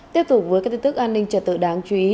tiếp tục với các tin tức an ninh trật tự đáng chú ý